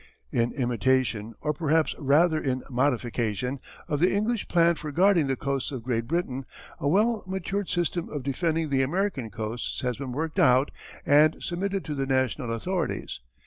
In imitation, or perhaps rather in modification, of the English plan for guarding the coasts of Great Britain, a well matured system of defending the American coasts has been worked out and submitted to the national authorities.